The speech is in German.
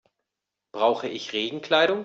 Brauche ich Regenkleidung?